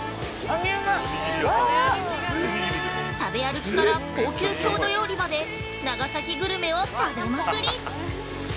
食べ歩きから高級郷土料理まで長崎グルメを食べまくり！